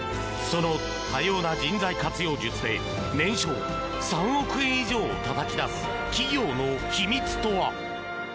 その多様な人材活用術で年商３億円以上をたたき出す企業の秘密とは？